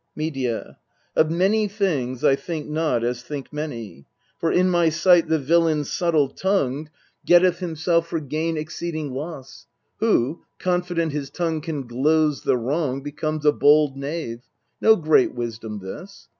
Medea. Of many things I think not as think many. For in my sight the villain subtle tongued 262 EURIPIDES Getteth himself for gain exceeding loss, Who, confident his tongue can gloze the wrong, Becomes a bold knave no great wisdom this.